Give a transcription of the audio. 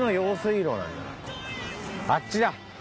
あっちだ！